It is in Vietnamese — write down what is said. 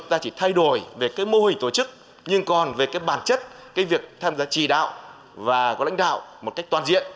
ta chỉ thay đổi về mô hình tổ chức nhưng còn về bản chất việc tham gia trì đạo và có lãnh đạo một cách toàn diện